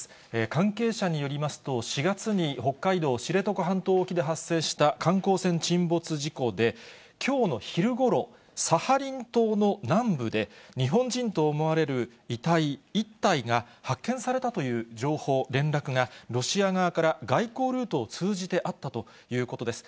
関係者によりますと、４月に北海道知床半島沖で発生した観光船沈没事故で、きょうの昼頃、サハリン島の南部で、日本人と思われる遺体１体が発見されたという情報、連絡がロシア側から外交ルートを通じてあったということです。